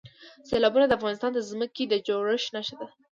سیلابونه د افغانستان د ځمکې د جوړښت نښه ده.